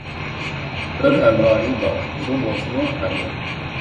بىر ھەمراھى بار، ئۇ بولسىمۇ ئايدۇر.